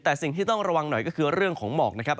แต่สิ่งที่ต้องระวังหน่อยก็คือเรื่องของหมอกนะครับ